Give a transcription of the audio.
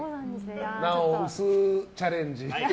奈緒、薄チャレンジ